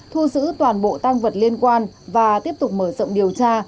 thu giữ toàn bộ tăng vật liên quan và tiếp tục mở rộng điều tra